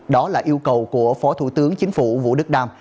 đó là yêu cầu của phó thủ tướng chính phủ vũ đức đam